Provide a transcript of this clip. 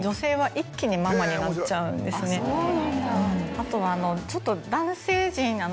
あとはちょっと。